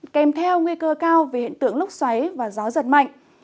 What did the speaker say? kèm theo nguy cơ cao về hiện tượng lúc xoáy và gió giật mạnh